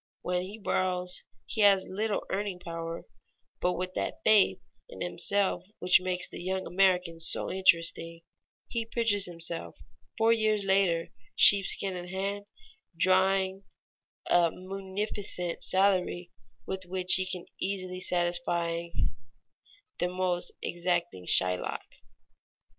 When he borrows he has little earning power, but with that faith in himself which makes the young American so interesting, he pictures himself four years later, sheepskin in hand, drawing a munificent salary with which he can easily satisfy the most exacting Shylock.